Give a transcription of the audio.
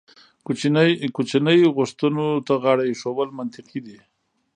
کوچنۍ غوښتنو ته غاړه ایښودل منطقي دي.